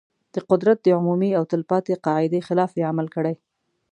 د قدرت د عمومي او تل پاتې قاعدې خلاف یې عمل کړی.